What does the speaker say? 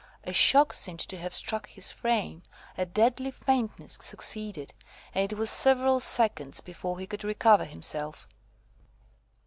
A shock seemed to have struck his frame, a deadly faintness succeeded, and it was several seconds before he could recover himself.